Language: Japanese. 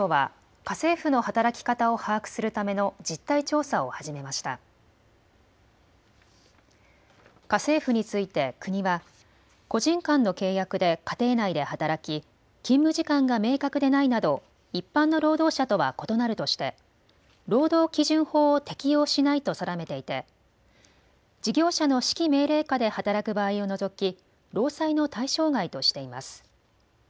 家政婦について国は個人間の契約で家庭内で働き勤務時間が明確でないなど一般の労働者とは異なるとして労働基準法を適用しないと定めていて事業者の指揮命令下で働く場合を除き労災の対象外としています。